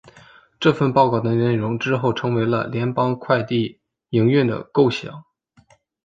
这份报告的内容之后成为了联邦快递营运的构想。